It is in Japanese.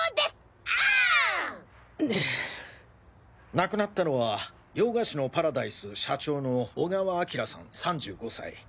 亡くなったのは「洋菓子のパラダイス」社長の小川明さん３５歳。